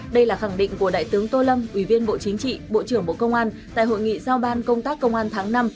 đây là khẳng định của đại tướng tô lâm ủy viên bộ chính trị bộ trưởng bộ công an tại hội nghị giao ban công tác công an tháng năm